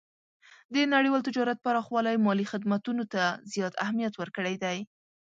د نړیوال تجارت پراخوالی مالي خدمتونو ته زیات اهمیت ورکړی دی.